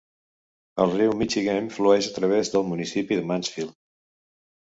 El riu Michigamme flueix a través del municipi de Mansfield.